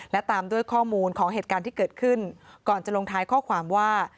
และตามด้วยข้อมูลของเหตุการณ์ที่เกิดขึ้นก่อนจะลงท้ายข้อความว่า